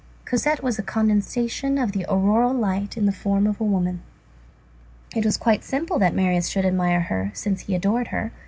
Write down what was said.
Cosette was a condensation of the auroral light in the form of a woman. It was quite simple that Marius should admire her, since he adored her.